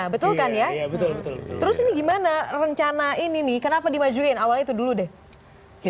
betul kan ya betul betul terus ini gimana rencana ini nih kenapa dimajuin awalnya itu dulu deh